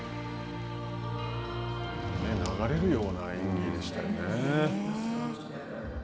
流れるような演技でしたよね。